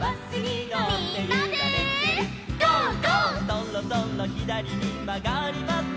「そろそろひだりにまがります」